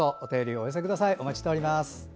お待ちしております。